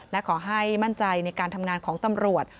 และขอให้มั่นใจในการทำงานของตำรวจ